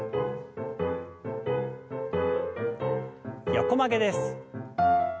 横曲げです。